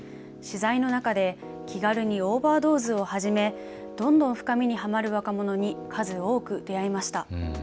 取材の中で気軽にオーバードーズを始めどんどん深みにはまる若者に数多く出会いました。